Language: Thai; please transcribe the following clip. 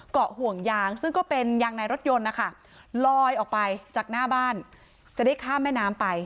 เกาะห่วงยางซึ่งก็เป็นยางในรถยนต์นะคะลอยออกไปจากหน้าบ้านจะได้ข้ามแม่น้ำไป